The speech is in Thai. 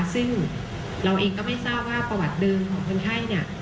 ซึ่งเราเองก็ไม่ทราบว่าประวัติเดิมของคนไข้เนี่ย